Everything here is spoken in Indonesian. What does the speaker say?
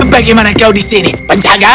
bagaimana kau di sini penjaga